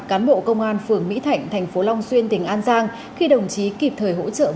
cán bộ công an phường mỹ thạnh thành phố long xuyên tỉnh an giang khi đồng chí kịp thời hỗ trợ